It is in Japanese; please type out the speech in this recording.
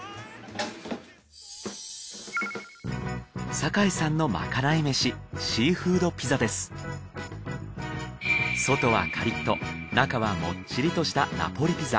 酒井さんのまかないめし外はカリッと中はもっちりとしたナポリピザ。